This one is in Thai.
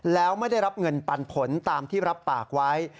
แล้วไม่ได้รับเงินปันผลตามที่รับปากไว้